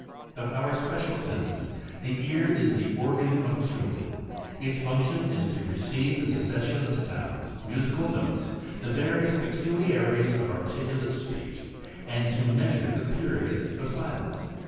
Of our special senses, the ear is the organ of tune. Its function is to receive the succession of sounds, musical notes, the various, peculiarities of articulate speech, and to measure the periods of silence.